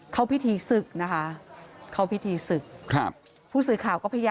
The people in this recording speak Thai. ครอบพิษีศึกย์นะคะครอบพิษีศึกย์